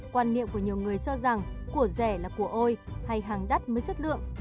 quan niệm của nhiều người cho rằng của rẻ là của ôi hay hàng đắt mới chất lượng